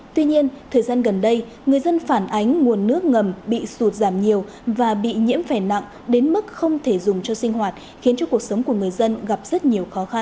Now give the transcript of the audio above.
tuy nhiên thời gian gần đây người dân phản ánh nguồn nước ngầm bị sụt giảm nhiều và bị nhiễm phè nặng đến mức không thể dùng cho sinh hoạt khiến cho cuộc sống của người dân gặp rất nhiều khó khăn